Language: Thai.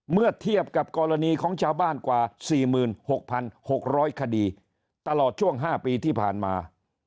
เมื่อเทียบกับกรณีของชาวบ้านกว่า๔๖๖๐๐คดีตลอดช่วง๕ปีที่ผ่านมา